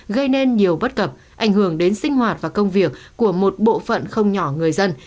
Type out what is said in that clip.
gây nên nhiều bất cập ảnh hưởng đến sinh hoạt và công việc của một bộ phận không nhỏ người dân